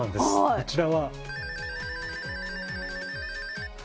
こちらは。